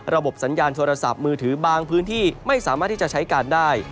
สัญญาณโทรศัพท์มือถือบางพื้นที่ไม่สามารถที่จะใช้การได้